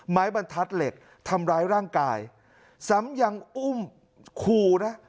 ไม้บรรทัดเหล็กทำร้ายร่างกายซ้ำยังอุ้มขู่นะ